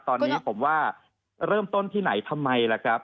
ตอนนี้ผมว่าเริ่มต้นที่ไหนทำไมล่ะครับ